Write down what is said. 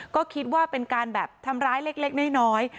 ก็คิดว่าเป็นการแบบทำร้ายเล็กน้อย